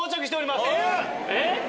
えっ？